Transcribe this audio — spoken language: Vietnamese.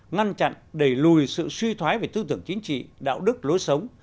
ngăn chặn đẩy lùi sự suy thoái về tư tưởng chính trị đạo đức lối sống